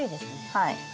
はい。